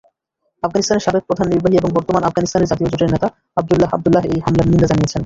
আফগানিস্তানের সাবেক প্রধান নির্বাহী এবং বর্তমান আফগানিস্তানের জাতীয় জোটের নেতা আব্দুল্লাহ আব্দুল্লাহ এই হামলার নিন্দা জানিয়েছেন।